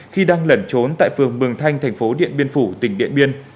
khi đang lẩn trốn tại phường mường thanh thành phố điện biên phủ tỉnh điện biên